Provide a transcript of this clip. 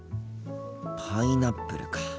パイナップルか。